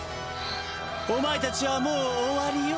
お前たちはもう終わりよ。